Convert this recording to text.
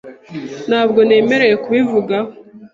Ntabwo nemerewe kubivugaho .